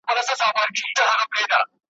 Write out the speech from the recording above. چي مي خپل وي جوماتونه خپل ملا خپل یې وعظونه ,